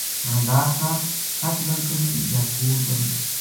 تھہانیدار صاحب ! سچ گل کروں یا کوڑ کروں